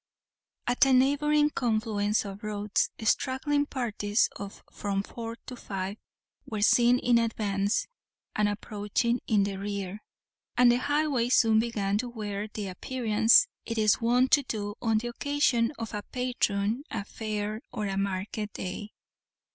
At a neighbouring confluence of roads straggling parties of from four to five were seen in advance, and approaching in the rear, and the highway soon began to wear the appearance it is wont to do on the occasion of a patron, a fair, or a market day.